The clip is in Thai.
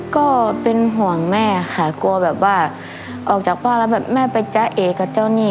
ก็เป็นห่วงแม่ค่ะกลัวแบบว่าออกจากบ้านแล้วแบบแม่ไปจ้าเอกกับเจ้านี่